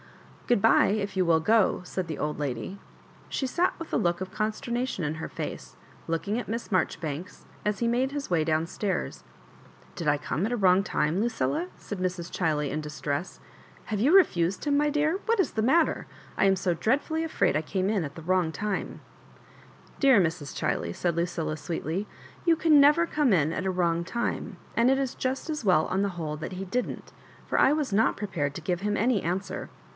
Good bye, if you will go," said the old lady. She sat with a look of consternation in her face, looking at Miss Mar joribanks, as he made his way down stairs. " Did I come in at a wrong time, Lucilla ?" said Mrs. Chiley, in distress. Have you refused him, my dear? What is the matter! I am so dreadfully afraid I came in at the wrong time." Dcar Mra. Chiley," said Lucilla, sweetly, " you can never come in at a wrong time ; aud it is just as well, on the whole, that he didn't— Ux 1 was not prepared to give him any answer.